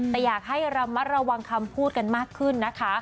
แต่อยากให้ระมัดระวังคำพูดกันมากขึ้นนะคะ